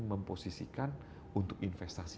memposisikan untuk investasi